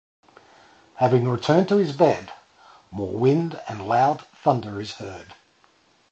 Having returned to his bed, more wind and loud thunder is heard.